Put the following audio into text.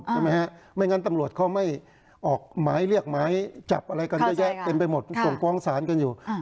ใช่ไหมฮะไม่งั้นตำรวจเขาไม่ออกหมายเรียกหมายจับอะไรกันเยอะแยะเต็มไปหมดส่งฟ้องศาลกันอยู่